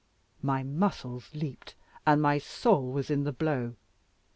My muscles leaped, and my soul was in the blow.